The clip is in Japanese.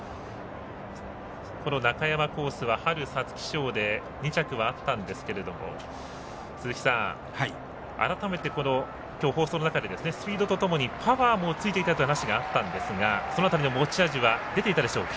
春、皐月賞で２着はあったんですけども鈴木さん、改めて放送の中でスピードとともにパワーもついていたという話があったんですがその辺りの持ち味は出ていましたでしょうか。